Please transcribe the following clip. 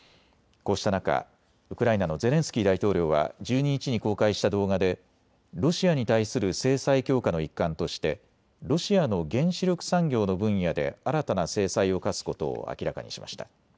こうした中、ウクライナのゼレンスキー大統領は１２日に公開した動画でロシアに対する制裁強化の一環としてロシアの原子力産業の分野で新たな制裁を科すことを明らかにしました。